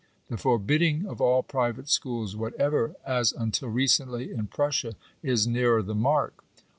The forbidding of all private schools whatever, as until recently in Prussia, is nearer the mark.